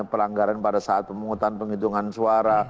pelanggaran pada saat pemungutan penghitungan suara